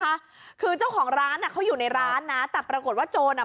ค่ะคือเจ้าของร้านอ่ะเขาอยู่ในร้านนะแต่ปรากฏว่าโจรอะ